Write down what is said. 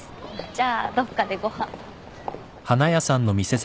じゃあどっかでご飯。